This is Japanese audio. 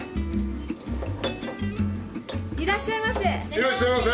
いらっしゃいませ。